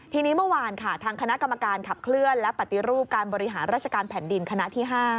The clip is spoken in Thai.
ทีนี้เมื่อวานค่ะทางคณะกรรมการขับเคลื่อนและปฏิรูปการบริหารราชการแผ่นดินคณะที่๕